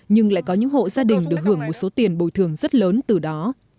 nhưng lại có những hộ gia đình được hưởng một số tiền bồi thường rất lớn từ đó